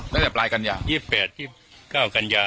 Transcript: ก็ปลายกัญญาตั้งแต่ปลายกัญญา